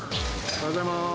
おはようございます。